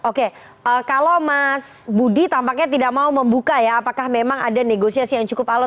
oke kalau mas budi tampaknya tidak mau membuka ya apakah memang ada negosiasi yang cukup alot